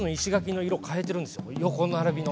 横並びの。